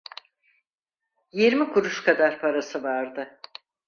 Yirmi kuruş kadar parası vardı.